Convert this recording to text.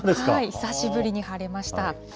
久しぶりに晴れました。